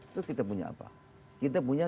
itu kita punya apa kita punya